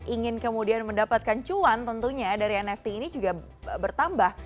ingin kemudian mendapatkan cuan tentunya dari nft ini juga bertambah